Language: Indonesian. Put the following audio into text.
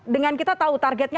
dengan kita tahu targetnya